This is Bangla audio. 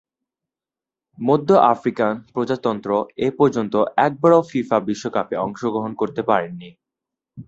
মধ্য আফ্রিকান প্রজাতন্ত্র এপর্যন্ত একবারও ফিফা বিশ্বকাপে অংশগ্রহণ করতে পারেনি।